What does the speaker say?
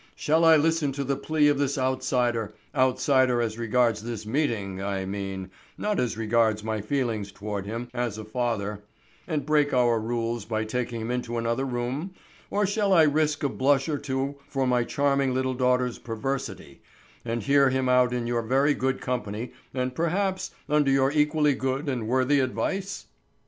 Shall I listen to the plea of this outsider—outsider as regards this meeting, I mean, not as regards my feelings toward him as a father—and break our rules by taking him into another room, or shall I risk a blush or two for my charming little daughter's perversity, and hear him out in your very good company and perhaps, under your equally good and worthy advice?"